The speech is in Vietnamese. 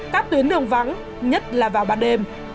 các tuyến đường vắng nhất là vào ban đêm